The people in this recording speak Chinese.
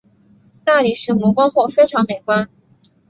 大理石磨光后非常美观。